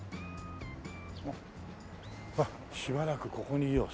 あっしばらくここにいよう。